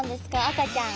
赤ちゃん。